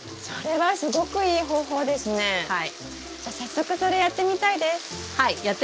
はい。